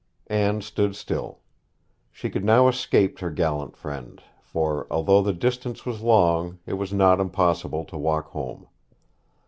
Anne stood still. She could now escape her gallant friend, for, although the distance was long, it was not impossible to walk home.